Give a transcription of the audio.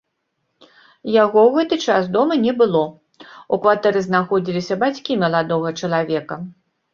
Яго ў гэты час дома не было, у кватэры знаходзіліся бацькі маладога чалавека.